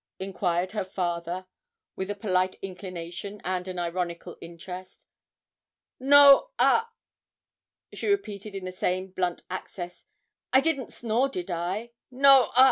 enquired her father, with a polite inclination and an ironical interest. 'No a,' she repeated in the same blunt accents; 'I didn't snore; did I? No a.'